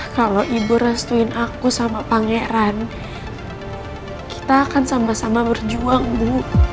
kalau ibu restuin aku sama pangeran kita akan sama sama berjuang bu